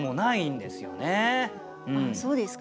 あっそうですか。